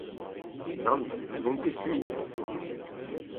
Nann, n'omp ket skuizh.